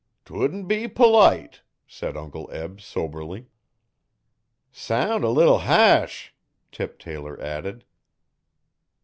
''Twouldn't he p'lite,' said Uncle Eb soberly. 'Sound a leetle ha'sh,' Tip Taylor added.